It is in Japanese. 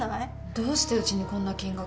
どうしてうちにこんな金額。